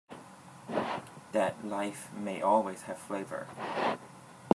That life may always have flavor.